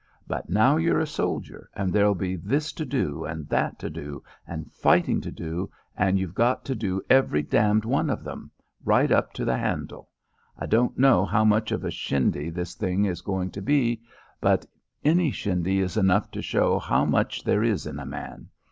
But now you're a soldier, and there'll be this to do and that to do, and fighting to do, and you've got to do every d d one of 'em right up to the handle. I don't know how much of a shindy this thing is going to be, but any shindy is enough to show how much there is in a man.